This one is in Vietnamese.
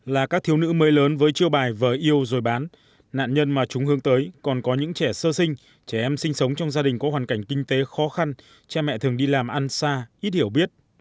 là các thiếu nữ mới lớn với chiêu bài vợ yêu rồi bán nạn nhân mà chúng hướng tới còn có những trẻ sơ sinh trẻ em sinh sống trong gia đình có hoàn cảnh kinh tế khó khăn cha mẹ thường đi làm ăn xa ít hiểu biết